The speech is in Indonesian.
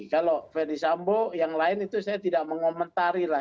kalau ferdis sambo yang lain itu saya tidak mengomentari lah